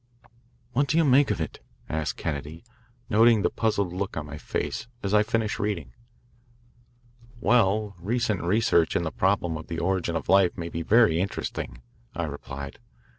"What do you make of it?" asked Kennedy, noting the puzzled look on my face as I finished reading. "Well, recent research in the problem of the origin of life may be very interesting," I replied.